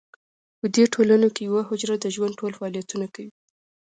په دې ټولنو کې یوه حجره د ژوند ټول فعالیتونه کوي.